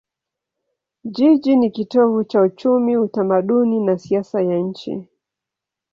Jiji ni kitovu cha uchumi, utamaduni na siasa ya nchi.